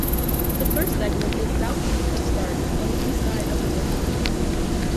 The first segment is southeast of Starke on the east side of the road.